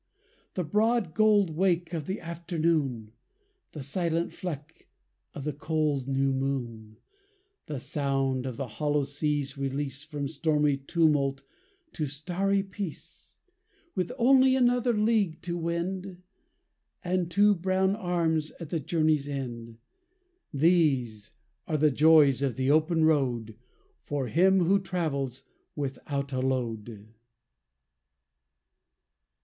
The broad gold wake of the afternoon; The silent fleck of the cold new moon; The sound of the hollow sea's release From stormy tumult to starry peace; With only another league to wend; And two brown arms at the journey's end! These are the joys of the open road For him who travels without a load.